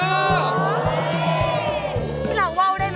มีหลักว้าวได้ไหม